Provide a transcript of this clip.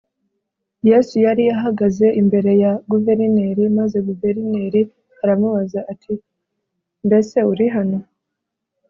Yesu yari ahagaze imbere ya guverineri maze guverineri aramubaza ati mbese uri hano